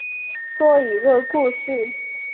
说一个故事